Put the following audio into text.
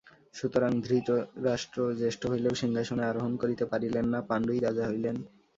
সুতরাং ধৃতরাষ্ট্র জ্যেষ্ঠ হইলেও সিংহাসনে আরোহণ করিতে পারিলেন না, পাণ্ডুই রাজা হইলেন।